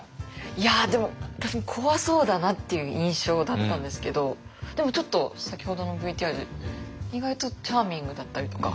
いやでも私も怖そうだなっていう印象だったんですけどでもちょっと先ほどのＶＴＲで意外とチャーミングだったりとか。